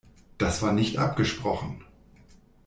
Das war nicht abgesprochen!